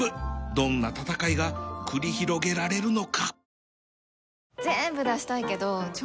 どんな戦いが繰り広げられるのか